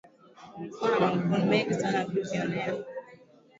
kwa mfano Kun mengi sana ya kujionea